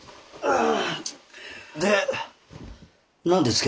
ああ。